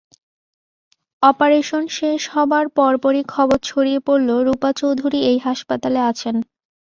Operation শেষ হবার পরপরই খবর ছড়িয়ে পড়ল রূপা চৌধুরী এই হাসপাতালে আছেন।